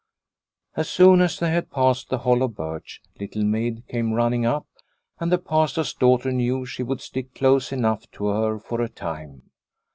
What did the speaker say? As soon as they had passed the hollow birch, Little Maid came running up, and the Pastor's daughter knew she would stick close enough to her for a time.